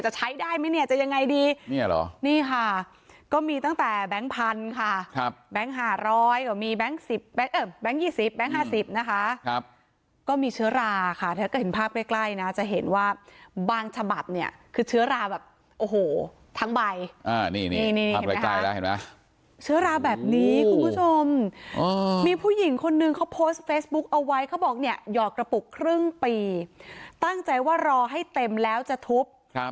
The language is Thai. ใช้ได้มั้ยเนี่ยจะยังไงดีนี่หรอนี่ค่ะก็มีตั้งแต่แบงค์พันค่ะครับแบงค์ห้าร้อยก็มีแบงค์สิบแบงค์เอ่อแบงค์ยี่สิบแบงค์ห้าสิบนะคะครับก็มีเชื้อราค่ะเธอก็เห็นภาพใกล้ใกล้นะจะเห็นว่าบางฉบับเนี่ยคือเชื้อราแบบโอ้โหทั้งใบอ่านี่นี่นี่นี่ภาพใกล้ใกล้แล้วเห็นไหมเชื้อราแบบน